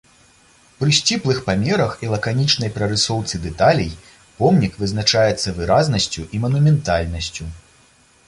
Пры сціплых памерах і лаканічнай прарысоўцы дэталей помнік вызначаецца выразнасцю і манументальнасцю.